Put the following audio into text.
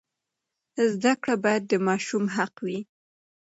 زده کړه باید د ماشوم حق وي.